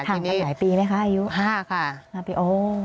ถังกันหลายปีไหมคะอายุห้าค่ะห้าปีโอ้